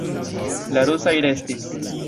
La rusaj restis.